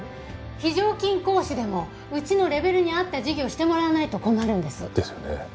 非常勤講師でもうちのレベルに合った授業をしてもらわないと困るんです。ですよね。